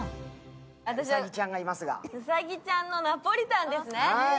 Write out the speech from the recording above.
私、うさぎちゃんのナポリタンですね。